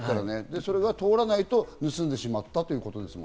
それが通らないと盗んでしまったということですね。